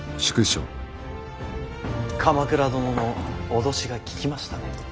鎌倉殿の脅しが効きましたね。